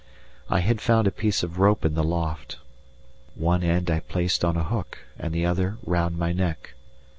I had found a piece of rope in the loft. One end I placed on a hook and the other round my neck.